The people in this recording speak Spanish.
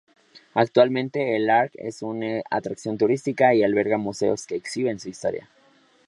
Actualmente, el Arq es una atracción turística y alberga museos que exhiben su historia.